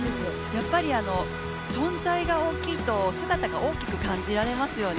やっぱり存在が大きいと姿が大きく感じられますよね。